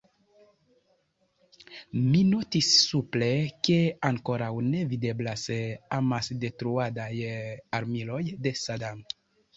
Mi notis supre, ke ankoraŭ ne videblas amasdetruadaj armiloj de Sadam.